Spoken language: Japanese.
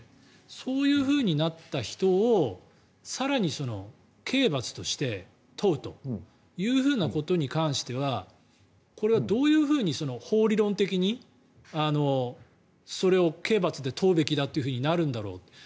そういうふうになった人を更に刑罰として問うということに関してはこれはどういうふうに法理論的にそれを刑罰で問うべきだとなるんだろう。